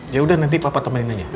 yaudah nanti papa temenin aja ya